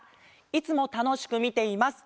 「いつもたのしくみています！